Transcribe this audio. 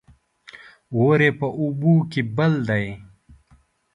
اور يې په اوبو کې بل دى